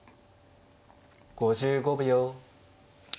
５５秒。